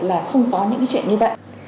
là không có những chuyện như vậy